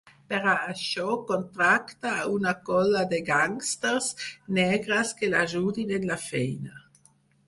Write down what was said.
Per a això contracta a una colla de gàngsters negres que l'ajudin en la feina.